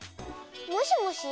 もしもし。